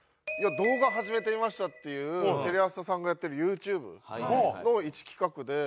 「動画、はじめてみました」っていうテレ朝さんがやってるユーチューブのいち企画で。